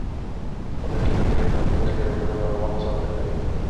دا نوې ټیکنالوژي په روغتونونو کې د ټولو ناروغانو څارنه کوي.